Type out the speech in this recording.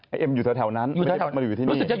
ไอ้เอ็มอยู่แถวแถวนั้นไม่ได้มาอยู่ที่นี่อยู่แถวนั้น